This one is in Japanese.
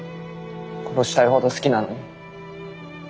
殺したいほど好きなのに。